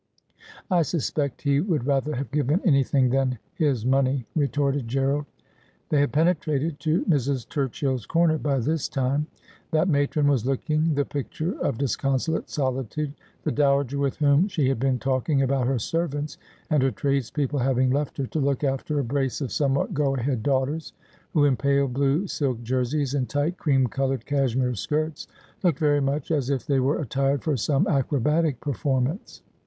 ' I suspect he would rather have given anything than his money,' retorted Gerald. They had penetrated to Mrs. Turchill's corner by this time. That matron was looking the picture of disconsolate solitude — the dowager with whom she had been talking about her servants and her tradespeople having left her to look after a brace of 'Al eodcnlij She stvapt Adoiun to Ground' 221 somewhat go ahead daughters, who in pale blue silk jerseys, and tight cream coloured cashmere skirts, looked very much as if they were attired for some acrobatic performance.